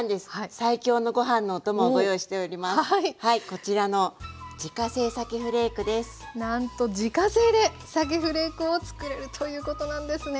こちらのなんと自家製でさけフレークをつくれるということなんですね。